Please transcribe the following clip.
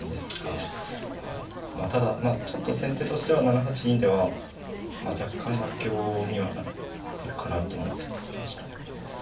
まあただちょっと先手としては７八銀では若干妥協にはなってるかなと思いました。